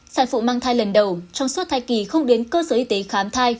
sản phụ mang thai lần đầu trong suốt thai kỳ không đến cơ sở y tế khám thai